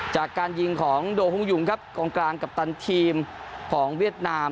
จากการยิงของโดฮุงยุงครับกองกลางกัปตันทีมของเวียดนาม